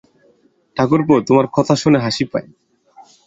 ঠাকুরপো, তোমার কথা শুনে হাসি পায়।